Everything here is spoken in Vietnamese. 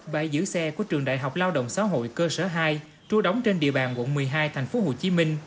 bãi giữ xe của trường đại học lao động xã hội cơ sở hai trua đóng trên địa bàn quận một mươi hai tp hcm